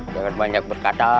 jangan banyak berkata